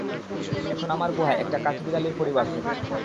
এখন আমার গুহায় একটা কাঠবিড়ালীর পরিবার থাকে।